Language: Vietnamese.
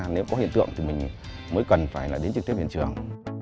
nếu có hiện tượng thì mình mới cần phải là đến trực tiếp hiện trường